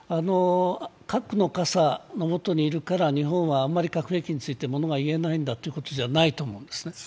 核の傘の下にいるから日本はあまり核兵器についてものが言えないんだということではないと思うんですね。